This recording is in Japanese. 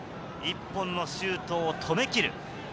１本のシュートを止めきる。